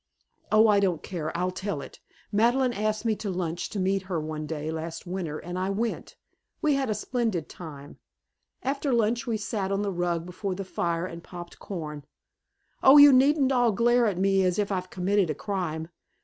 Oh, I don't care! I'll tell it! Madeleine asked me to lunch to meet her one day last winter and I went. We had a splendid time. After lunch we sat on the rug before the fire and popped corn. Oh, you needn't all glare at me as if I'd committed a crime.